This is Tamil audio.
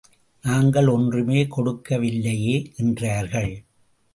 நாங்கள் ஒன்றுமே கொடுக்க வில்லையே என்றார்கள்.